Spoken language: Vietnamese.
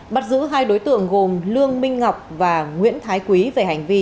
bắt giữ hai đối tượng gồm lương minh ngọc và nguyễn thái quý về hành vi